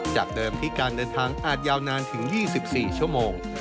จากเดิมที่การเดินทางอาจยาวนานถึง๒๔ชั่วโมง